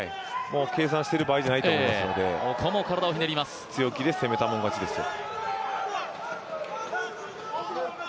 計算している場合ではないと思いますので強気で攻めたもん勝ちですよ。